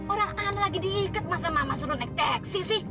orang aneh lagi diikat masa mama suruh naik teksi sih